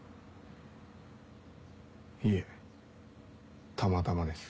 いえたまたまです。